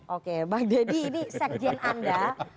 oke bang deddy ini sekjen anda